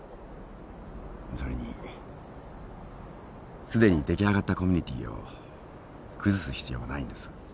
それにすでに出来上がったコミュニティーを崩す必要はないんです。